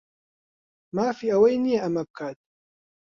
مافی ئەوەی نییە ئەمە بکات.